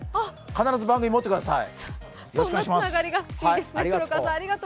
必ず番組持ってください。